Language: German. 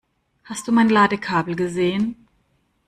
Hast du mein Ladekabel gesehen?